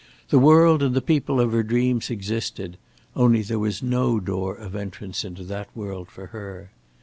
The world and the people of her dreams existed; only there was no door of entrance into that world for her.